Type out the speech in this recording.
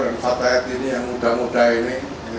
dan fatah yatini yang muda muda ini